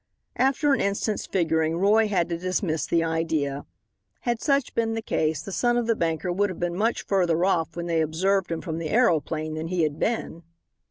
After an instant's figuring Roy had to dismiss the idea. Had such been the case, the son of the banker would have been much further off when they observed him from the aeroplane than he had been.